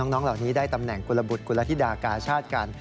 น้องเหล่านี้ได้ตำแหน่งกุลบุตรกุลธิดากาชาติกัน